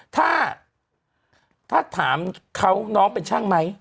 ถ้าถามเขาน้องเป็นช่างไหม